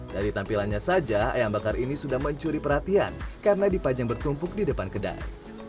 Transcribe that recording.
dari tampilannya saja ayam bakar ini sudah mencuri perhatian karena dipajang bertumpuk di depan kedai